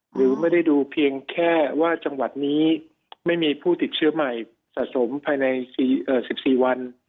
หรือไม่ได้ดูเพียงแค่ว่าจังหวัดนี้ไม่มีผู้ติดเชื้อใหม่สะสมภายใน๑๔วัน